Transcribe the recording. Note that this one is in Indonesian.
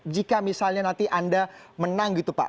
jika misalnya nanti anda menang gitu pak